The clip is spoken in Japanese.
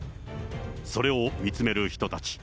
それを見つめる人たち。